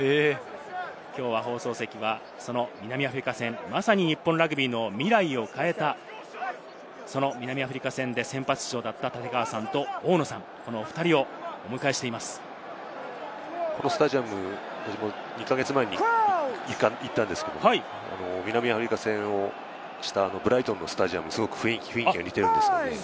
きょうは放送席にその南アフリカ戦、まさに日本ラグビーの未来を変えた、その南アフリカ戦で先発出場だった立川さんと大野さん、このお２このスタジアム、２か月前に行ったんですけれども、南アフリカ戦をしたブライトンのスタジアムにすごく雰囲気が似ているんです。